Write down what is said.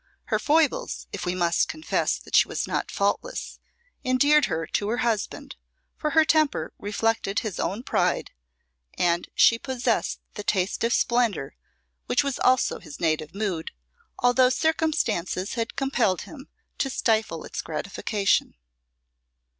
Her foibles, if we must confess that she was not faultless, endeared her to her husband, for her temper reflected his own pride, and she possessed the taste for splendour which was also his native mood, although circumstances had compelled him to stifle its gratification.